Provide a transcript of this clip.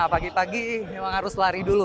pagi pagi memang harus lari dulu